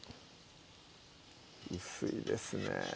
薄いですね